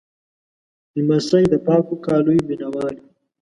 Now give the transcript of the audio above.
لمسی د پاکو کالیو مینهوال وي.